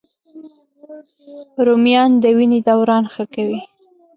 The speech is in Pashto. رومیان د وینې دوران ښه کوي